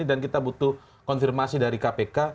dan kita butuh konfirmasi dari kpk